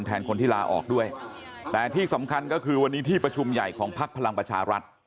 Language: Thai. แทนคนที่ลาออกด้วยแต่ที่สำคัญก็คือวันนี้ที่ประชุมใหญ่ของพักพลังประชารัฐ